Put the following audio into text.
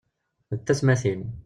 D tatmatin.